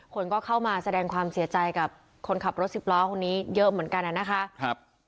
คนก็เข้ามาแสดงความเสียใจกับคนขับรถสิบล้อคนนี้เยอะเหมือนกันนะคะ